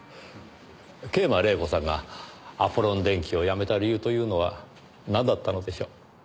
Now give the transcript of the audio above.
桂馬麗子さんがアポロン電機を辞めた理由というのはなんだったのでしょう？